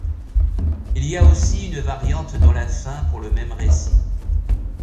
Il y a aussi une variante dans la fin pour le même récit.